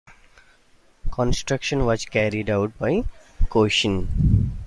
Construction was carried out by Costain.